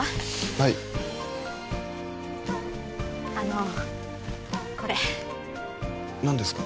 はいあのこれ何ですか？